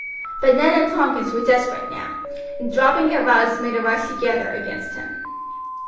But Ned and Tompkins were desperate now, and dropping their rods made a rush together against him.